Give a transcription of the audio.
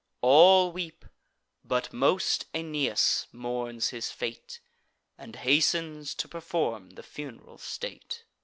All weep; but most Aeneas mourns his fate, And hastens to perform the funeral state.